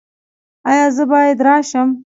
ایا زه باید راشم؟